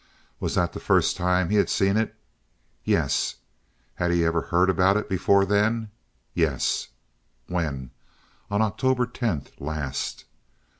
Was that the first time he had seen it? Yes. Had he ever heard about it before then? Yes. When? On October 10th last.